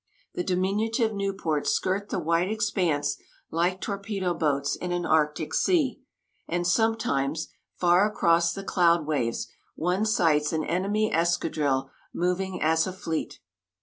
The diminutive Nieuports skirt the white expanse like torpedo boats in an arctic sea, and sometimes, far across the cloud waves, one sights an enemy escadrille, moving as a fleet.